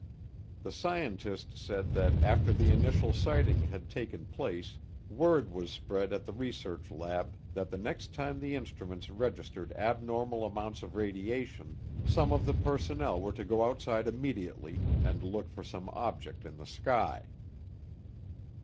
The scientist said that after the initial sighting had taken place word was spread at the research lab that the next time the instruments registered abnormal amounts of radiation, some of the personnel were to go outside immediately and look for some object in the sky.